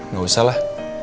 gak usah lah